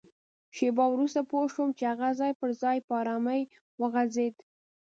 شېبه وروسته پوه شوم چي هغه ځای پر ځای په ارامۍ وغځېد.